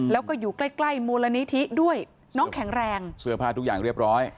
แล้วก็อยู่ใกล้ใกล้มูลนิธิด้วยน้องแข็งแรงเสื้อผ้าทุกอย่างเรียบร้อย